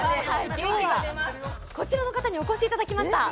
こちらの方にお越しいただきました。